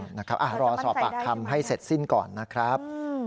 เราจะมั่นใส่ได้ใช่ไหมครับรอสอบปากคำให้เสร็จสิ้นก่อนนะครับ